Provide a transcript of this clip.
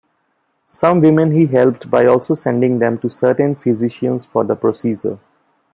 Some women he helped by also sending them to certain physicians for the procedure.